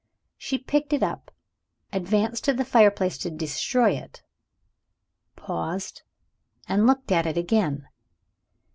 She picked it up advanced to the fireplace to destroy it paused and looked at it again.